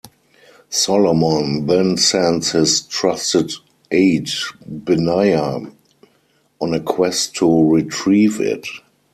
Solomon then sends his trusted aide Benaiah on a quest to retrieve it.